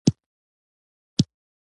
موږ د بدخشان تر ټولو وروستی ټیم وو.